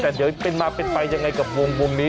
แต่เดี๋ยวเป็นมาเป็นไปยังไงกับวงนี้